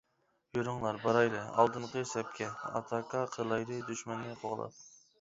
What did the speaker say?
يۈرۈڭلار بارايلى ئالدىنقى سەپكە، ئاتاكا قىلايلى دۈشمەننى قوغلاپ.